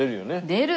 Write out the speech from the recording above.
出る。